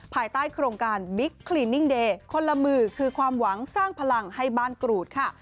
ภายใต้โครงการบิ๊กคลินิ่งเดย์คนละมือคือความหวังสร้างพลังให้บ้านกรูดค่ะ